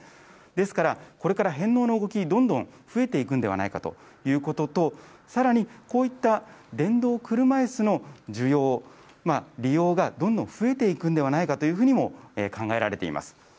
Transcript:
ですから、これから返納の動き、どんどん増えていくんではないかということと、さらにこういった電動車いすの需要、利用がどんどん増えていくんではないかというふうにも考えられています。